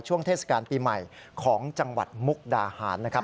เทศกาลปีใหม่ของจังหวัดมุกดาหารนะครับ